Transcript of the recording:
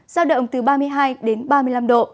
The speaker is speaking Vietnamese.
giao động từ ba mươi hai đến ba mươi năm độ